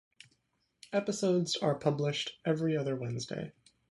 Episodes are published every other Wednesday.